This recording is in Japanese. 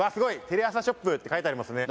「テレアサショップ」って書いてありますね。